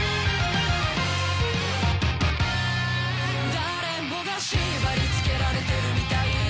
誰もが縛り付けられてるみたいだ